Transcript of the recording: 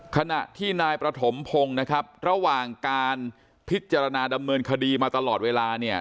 ขณะที่นายประถมพงศ์นะครับระหว่างการพิจารณาดำเนินคดีมาตลอดเวลาเนี่ย